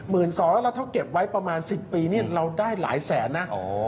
สองแล้วถ้าเก็บไว้ประมาณ๑๐ปีนี่เราได้หลายแสนนะ